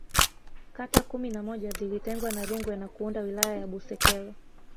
kata kumi na moja zilitengwa na Rungwe na kuunda Wilaya ya Busekelo